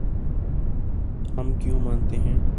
ہم کیوں مناتے ہیں